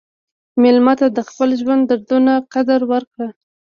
مېلمه ته د خپل ژوند دروند قدر ورکړه.